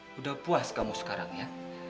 sudah puas kamu sekarang ya